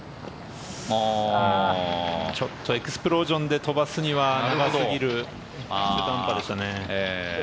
ちょっとエクスプロージョンで飛ばすには長すぎる中途半端でしたね。